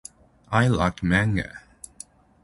I like manga.